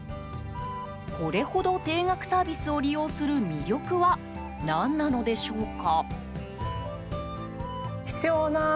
これほど定額サービスを利用する魅力は何なのでしょうか。